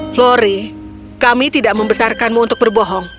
flori kami tidak membesarkanmu untuk berbohong